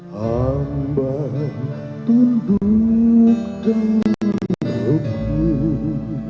hamba tunduk dan berhubung